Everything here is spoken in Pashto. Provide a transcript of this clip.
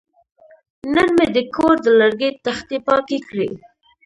نن مې د کور د لرګي تختې پاکې کړې.